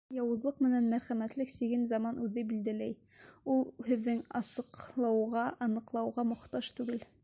Яуызлыҡ менән мәрхәмәтлек сиген заман үҙе билдәләй, ул һеҙҙең асыҡлауға, аныҡлауға мохтаж түгел.